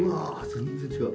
全然違う。